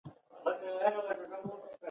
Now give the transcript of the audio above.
حیوانات د طبیعت ښکلا ده.